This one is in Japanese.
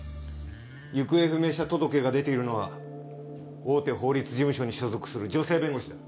行方不明者届が出ているのは大手法律事務所に所属する女性弁護士だ。